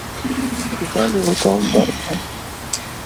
يبالغ توم دائما.